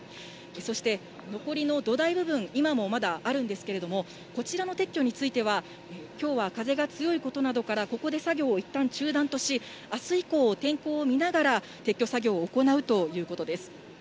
そして残りの土台部分、今もまだあるんですけれども、こちらの撤去については、きょうは風が強いことなどからここで作業をいったん中断とし、あす以降、天候を見ながら、撤去作業を行うということです。